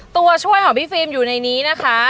ตัวช่วยของพี่ฟิล์มอยู่ในนี้นะคะ